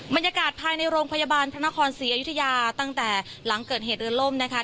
บรรยากาศภายในโรงพยาบาลพระนครศรีอยุธยาตั้งแต่หลังเกิดเหตุเรือล่มนะคะ